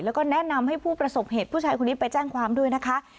แล้วก็แนะนำให้ผู้ประสบเหตุผู้ชายคนนี้ไปแจ้งความด้วยนะคะ